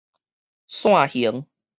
散形